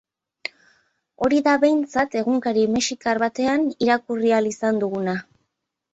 Hori da behintzat egunkari mexikar batean irakurri ahal izan duguna.